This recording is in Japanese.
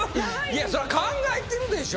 そりゃ考えてるでしょ。